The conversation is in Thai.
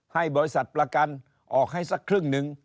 ให้บริษัทประกันออกให้สักครึ่งหนึ่ง